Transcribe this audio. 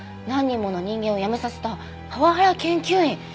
「何人もの人間を辞めさせたパワハラ研究員」！